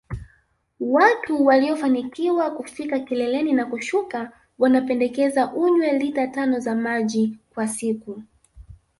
Watu waliofanikiwa kufika kileleni na kushuka wanapendekeza unywe lita tano za maji kwa siku